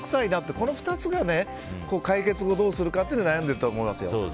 この２つの解決をどうするか悩んでいると思います。